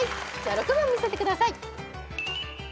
６番見せてください。